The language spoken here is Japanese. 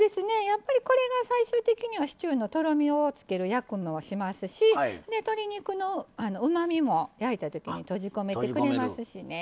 やっぱりこれが最終的にはシチューのとろみをつける役もしますし鶏肉のうまみも焼いた時に閉じ込めてくれますしね。